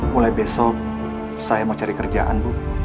mulai besok saya mau cari kerjaan bu